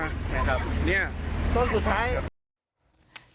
ต้นสุดท้าย